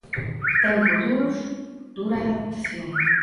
Tempo duros, dura adaptación.